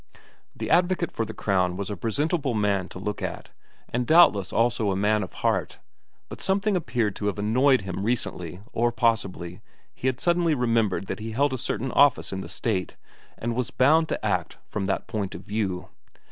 The advocate for the Crown was a presentable man to look at, and doubtless also a man of heart, but something appeared to have annoyed him recently or possibly he had suddenly remembered that he held a certain office in the State and was bound to act from that point of view.